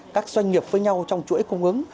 các doanh nghiệp với nhau trong chuỗi cung ứng